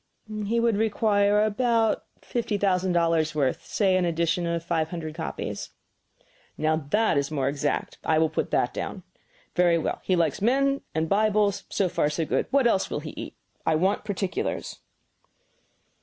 "He would require about fifty thousand dollars worth say an edition of five hundred copies." "Now that is more exact. I will put that down. Very well; he likes men and Bibles; so far, so good. What else will he eat? I want particulars."